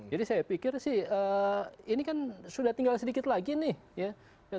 jadi saya pikir sih ini kan sudah tinggal sedikit lagi nih ya